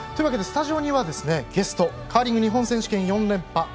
スタジオにはゲスト、カーリング日本選手権４連覇